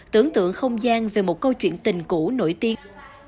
tưởng tượng không gian về một câu chuyện tình cũ nổi tiếng